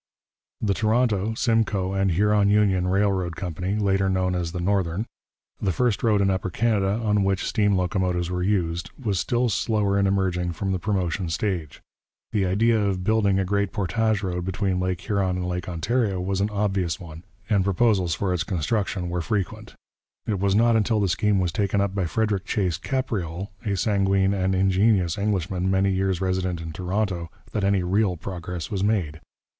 The Toronto, Simcoe and Huron Union Railroad Company later known as the Northern the first road in Upper Canada on which steam locomotives were used, was still slower in emerging from the promotion stage. The idea of building a great portage road between Lake Huron and Lake Ontario was an obvious one, and proposals for its construction were frequent. It was not until the scheme was taken up by Frederick Chase Capreol, a sanguine and ingenious Englishman many years resident in Toronto, that any real progress was made.